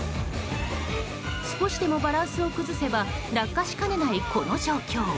少しでもバランスを崩せば落下しかねない、この状況。